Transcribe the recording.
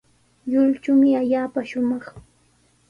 Lluychumi allaapa shumaq.